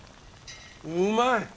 うまい！